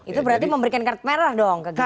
itu berarti memberikan kartu merah dong ke gibran